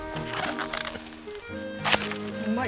うまい！